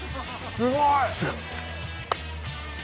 すごい。